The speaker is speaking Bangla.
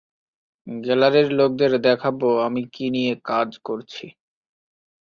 গ্যালারির লোকদের দেখাবো আমি কী নিয়ে কাজ করছি।